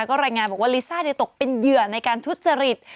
ก็รายงานบอกว่าลิซ่าตกเป็นเหยื่อในการทุจริต